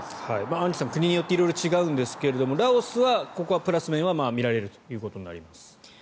アンジュさん国によって違うんですがラオスは、ここはプラス面は見られるということになります。